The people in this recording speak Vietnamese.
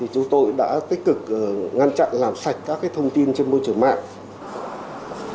chúng tôi đã tích cực ngăn chặn làm sạch các thông tin trên môi trường mạng